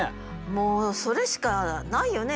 もうそれしかないよね